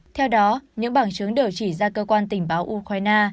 theo đó những bằng chứng đều chỉ ra cơ quan tình báo ukraine